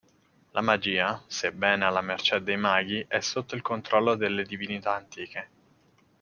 La magia, sebbene alla mercé dei maghi, è sotto il controllo delle divinità antiche.